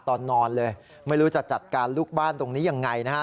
ตอนนอนเลยไม่รู้จะจัดการลูกบ้านตรงนี้ยังไงนะฮะ